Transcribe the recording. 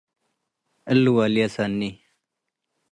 እሊ ወልዬ ሰኒ